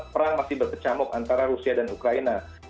perang masih berkecamuk antara rusia dan ukraina